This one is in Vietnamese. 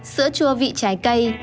sữa chua vị trái cây